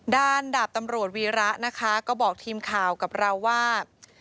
ด้านดาบตำรวจวีระนะคะก็บอกทีมข่าวว่า